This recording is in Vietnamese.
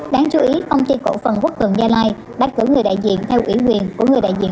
đáng chú ý công ty cổ phần quốc cường gia lai đã cử người đại diện theo ủy quyền của người đại diện